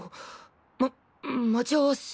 ま待ち合わせじゃ。